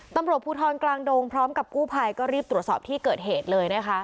ตำรวจภูทรกลางดงพร้อมกับกู้ภัยก็รีบตรวจสอบที่เกิดเหตุเลยนะคะ